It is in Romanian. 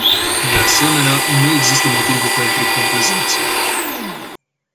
De asemenea, nu există motive pentru complezență.